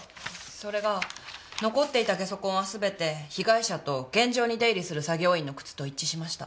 それが残っていたゲソ痕は全て被害者と現場に出入りする作業員の靴と一致しました。